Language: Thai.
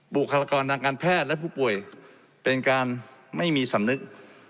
บุคลากรทางการแพทย์และผู้ป่วยเป็นการไม่มีสำนึก